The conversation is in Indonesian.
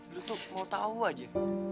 lu tuh mau tau aja